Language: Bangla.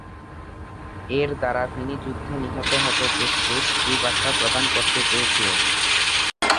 এর দ্বারা তিনি যুদ্ধে নিহত হতে প্রস্তুত এই বার্তা প্রদান করতে চেয়েছিলেন।